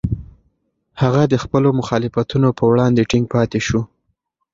هغه د خپلو مخالفتونو په وړاندې ټینګ پاتې شو.